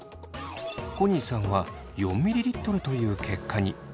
コニーさんは４ｍｌという結果に。